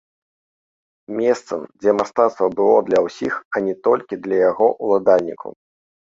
Месцам, дзе мастацтва было для ўсіх, а не толькі для яго ўладальнікаў.